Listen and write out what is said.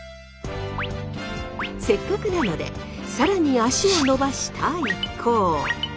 せっかくなので更に足を伸ばした一行。